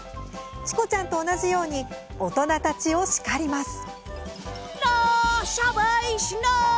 チコちゃんと同じように大人たちを叱ります。